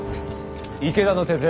池田の手勢